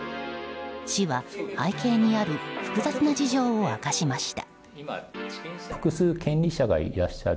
市は背景にある複雑な事情を明かしました。